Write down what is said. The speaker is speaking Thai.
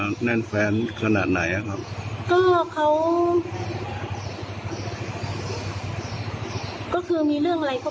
ส่วนปกติแม่มีความสำคัญกับแม่ที่แน่นแฟนขนาดไหน